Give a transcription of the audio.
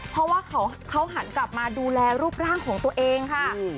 เพราะว่าเขาหันกลับมาดูแลรูปร่างของตัวเองค่ะ